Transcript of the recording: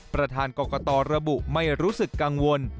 ประธานกรกตระบุไม่รู้สึกกังวล